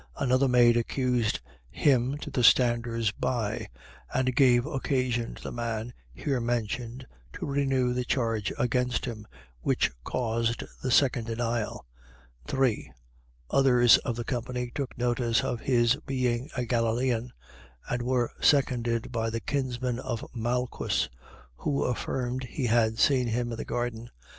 Another maid accused him to the standers by; and gave occasion to the man here mentioned to renew the charge against him, which caused the second denial. 3. Others of the company took notice of his being a Galilean; and were seconded by the kinsman of Malchus, who affirmed he had seen him in the garden.